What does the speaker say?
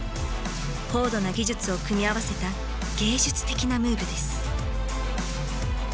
高度な技術を組み合わせた芸術的なムーブです。